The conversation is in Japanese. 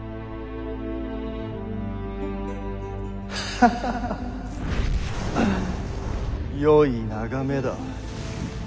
ハハハハハよい眺めだ。